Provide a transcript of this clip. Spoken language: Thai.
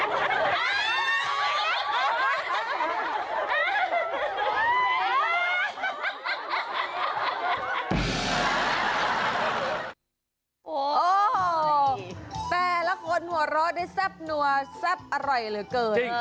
โอ้โหแต่ละคนหัวเราะได้แซ่บนัวแซ่บอร่อยเหลือเกิน